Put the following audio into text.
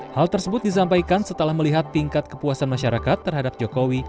hal tersebut disampaikan setelah melihat tingkat kepuasan masyarakat terhadap jokowi